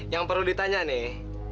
yang perlu ditanya nih